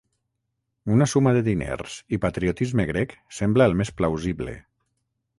Una suma de diners i patriotisme grec sembla el més plausible.